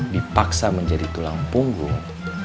dipaksa menjadi tulang punggung